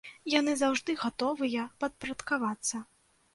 Яны заўжды гатовыя падпарадкавацца.